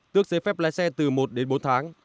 tước giấy phép lái xe từ một đến bốn tháng